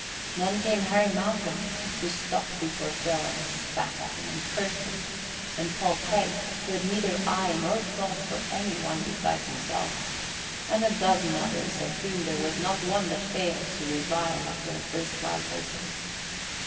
Then came Harry Malcolm, who stopped before Phil and spat at him and cursed him, and Paul Craig, who had neither eye nor thought for any one besides himself, and a dozen others of whom there was not one that failed to revile at their erstwhile boatswain.